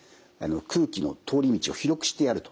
空気の通り道を広くしてやると。